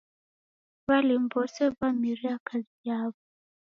W'alimu w'ose w'ameria kazi yaw'o